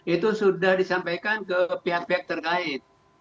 itu sudah disampaikan ke pihak pihak terkait